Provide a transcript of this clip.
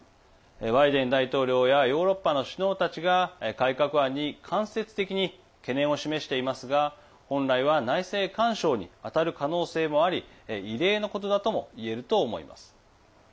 バイデン大統領やヨーロッパの首脳たちが改革案に間接的に懸念を示していますが本来は内政干渉に当たる可能性もあり異例のことだとも言えると思います。